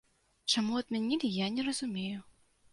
Чаму адмянілі, я не разумею.